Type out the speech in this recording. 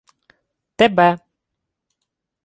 — Тебе.